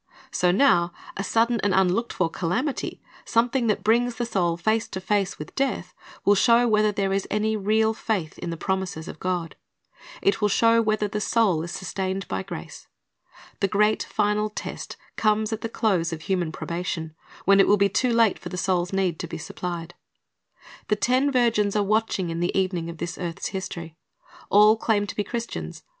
So now, a sudden and unlooked for calamity, something that brings the soul face to face with death, will show whether there is any real faith in the promises of God. It will show whether the soul is sustained by grace. The great final test comes at the close of human probation, when it will be too late for the soul's need to be supplied. The ten virgins are watching in the evening of this earth's history. All claim to be Christians.